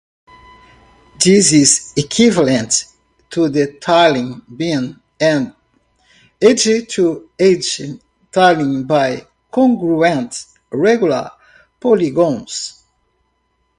This is equivalent to the tiling being an edge-to-edge tiling by congruent regular polygons.